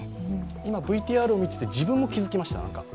今ＶＴＲを見てて自分も気付きました。